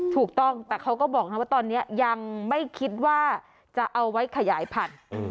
ถูกต้องแต่เขาก็บอกว่าตอนนี้ยังไม่คิดว่าจะเอาไว้ขยายพันธุ์